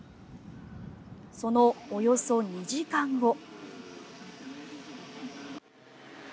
そのおよそ２時間後。